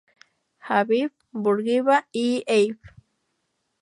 Habib Bourguiba y Av.